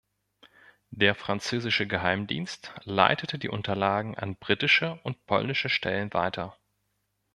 Der französische Geheimdienst leitete die Unterlagen an britische und polnische Stellen weiter.